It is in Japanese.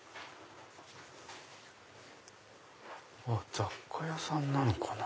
雑貨屋さんなのかな？